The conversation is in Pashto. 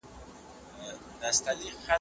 هغه وويل چي زغم ولرئ.